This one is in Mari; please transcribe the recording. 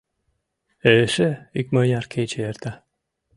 Эше икмыняр кече эрта.